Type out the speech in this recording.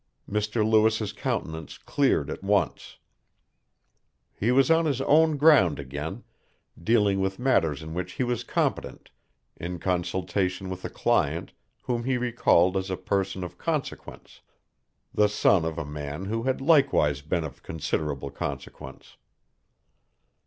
Mr. Lewis' countenance cleared at once. He was on his own ground again, dealing with matters in which he was competent, in consultation with a client whom he recalled as a person of consequence, the son of a man who had likewise been of considerable consequence.